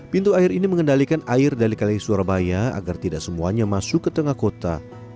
pintu air ini mengendalikan air dari kali surabaya agar tidak semuanya masuk ke tengah kota